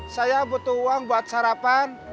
saya butuh uang buat sarapan